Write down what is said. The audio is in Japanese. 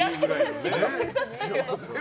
仕事してくださいよ。